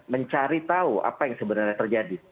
mencari tahu apa yang sebenarnya terjadi